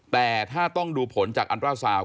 แต่ถ้าต้องดูผลจากอันตราซาว